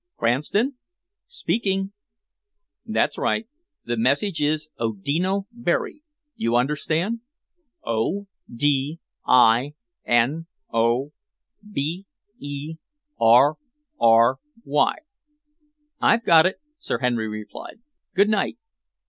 "Cranston?" "Speaking." "That's right. The message is Odino Berry, you understand? O d i n o b e r r y." "I've got it," Sir Henry replied. "Good night!"